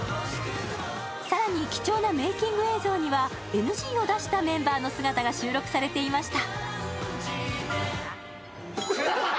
更に貴重なメーキング映像にはＮＧを出したメンバーの姿が収録されていました。